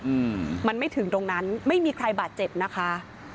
อืมมันไม่ถึงตรงนั้นไม่มีใครบาดเจ็บนะคะ